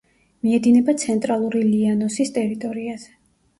მიედინება ცენტრალური ლიანოსის ტერიტორიაზე.